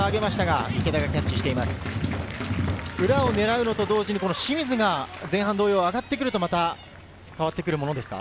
裏を狙うのと同時に、清水が前半同様に上がってくると、変わってくるものですか？